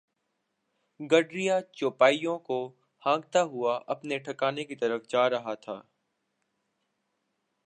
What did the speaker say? گڈریا چوپایوں کو ہانکتا ہوا اپنے ٹھکانے کی طرف جا رہا تھا۔